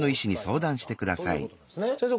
先生。